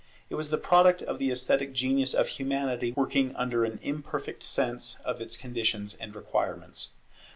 It was the product of the esthetic genius of Humanity working under an imperfect sense of its conditions and requirements.